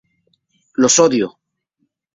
Los Odio!